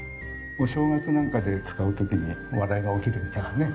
お正月なんかで使う時に笑いが起きるみたいなね。